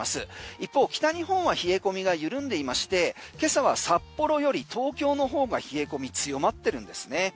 一方、北日本は冷え込みが緩んでいまして今朝は札幌より東京のほうが冷え込み、強まってるんですね。